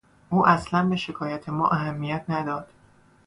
او اصلا به شکایت ما اهمیت نداد.